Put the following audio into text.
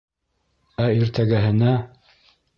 Ә иртәгәһенә...